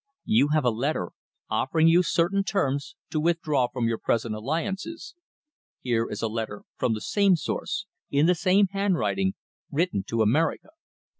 You have a letter, offering you certain terms to withdraw from your present alliances. Here is a letter from the same source, in the same handwriting, written to America.